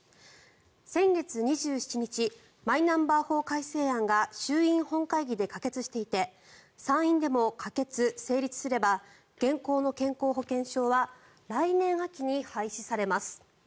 先月２７日マイナンバー法改正案が衆院本会議で可決していて参院でも可決・成立すれば現行の健康保険証は来年秋に廃止されます。